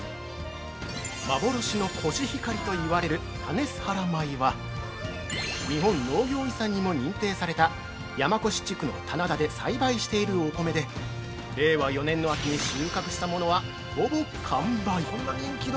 ◆幻のコシヒカリと言われる「たねすはら米」は、日本農業遺産にも認定された山古志地区の棚田で栽培しているお米で令和４年の秋に収穫したものはほぼ完売。